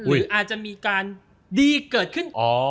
หรืออาจจะมีการดีเกิดขึ้น